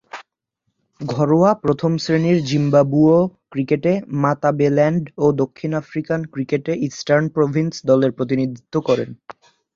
ঘরোয়া প্রথম-শ্রেণীর জিম্বাবুয়ীয় ক্রিকেটে মাতাবেলেল্যান্ড ও দক্ষিণ আফ্রিকান ক্রিকেটে ইস্টার্ন প্রভিন্স দলের প্রতিনিধিত্ব করেন।